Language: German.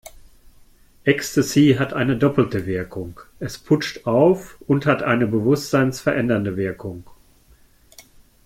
Ecstasy hat eine doppelte Wirkung: Es putscht auf und hat eine bewusstseinsverändernde Wirkung.